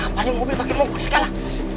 waduh kenapa nih mobil pake mumpuk segala